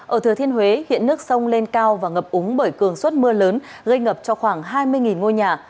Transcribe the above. ở thừa thiên huế hiện nước sông lên cao và ngập úng bởi cường suất mưa lớn gây ngập cho khoảng hai mươi ngôi nhà